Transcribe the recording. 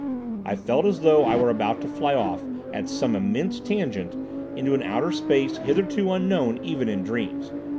I felt as though I were about to fly off, at some immense tangent, into an outer space hitherto unknown even in dreams.